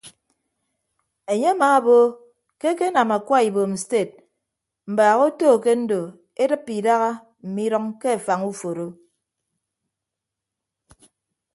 Enye amaabo ke ekenam akwa ibom sted mbaak oto ke ndo edịppe idaha mme idʌñ ke afañ uforo.